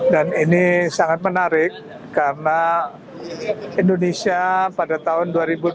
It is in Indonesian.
dan ini sangat menarik karena indonesia pada tahun dua ribu dua puluh enam